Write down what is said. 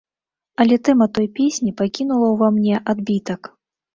Але тэма той песні пакінула ўва мне адбітак.